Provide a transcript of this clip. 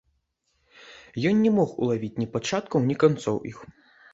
Ён не мог улавіць ні пачаткаў, ні канцоў іх.